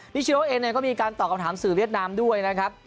นิชโนเองก็มีการตอบคำถามสื่อเวียดนามด้วยนะครับ